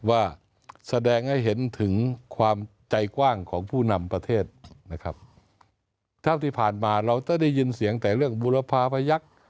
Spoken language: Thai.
ว่าแสดงให้เห็นถึงความใจกว้างของผู้นำประเทศนะครับเท่าที่ผ่านมาเราจะได้ยินเสียงแต่เรื่องบุรพาพยักษ์